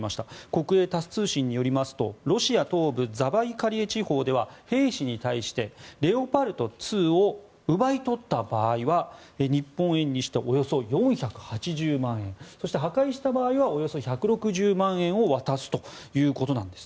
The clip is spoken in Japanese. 国営タス通信によりますとロシア東部ザバイカリエ地方では兵士に対してレオパルト２を奪い取った場合は日本円にしておよそ４８０万円そして、破壊した場合はおよそ１６０万円を渡すということです。